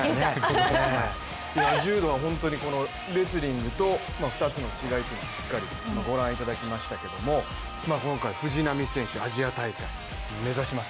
柔道とレスリングの２つの違いご覧いただきましたけど今回、藤波選手、アジア大会目指します。